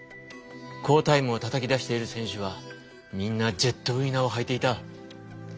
好タイムをたたきだしている選手はみんなジェットウィナーをはいていた。